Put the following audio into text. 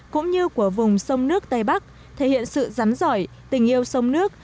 cũng như của vùng sông nước tây bắc thể hiện sự rắn giỏi tình yêu sông nước